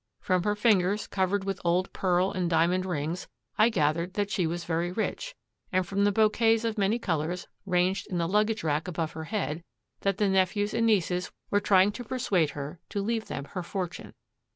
From her fingers, covered with old pearl and diamond rings, I gathered that she was very rich; and from the bouquets of many colors, ranged in the luggage rack above her head, that the nephews and nieces were trying to persuade her to leave them her fortune.